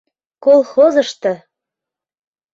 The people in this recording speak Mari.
Колхозышто!